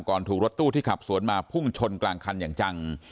ถูกรถตู้ที่ขับสวนมาพุ่งชนกลางคันอย่างจัง